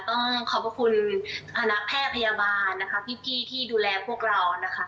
ต้องขอบพระคุณคณะแพทย์พยาบาลนะคะพี่ที่ดูแลพวกเรานะคะ